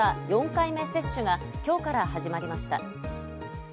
４回目接種が今日から始まりました。